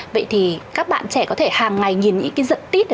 vậy thì các bạn trẻ có thể hàng ngày nhìn những cái giận tít